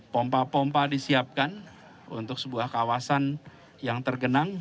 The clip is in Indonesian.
pompa pompa disiapkan untuk sebuah kawasan yang tergenang